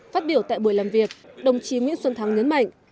phát biểu tại buổi làm việc đồng chí nguyễn xuân thắng nhấn mạnh